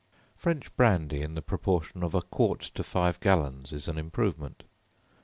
French brandy in the proportion of a quart to five gallons, is an improvement.